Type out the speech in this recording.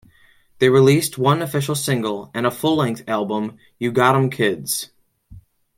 They released one official single and a full-length album You Goddam Kids!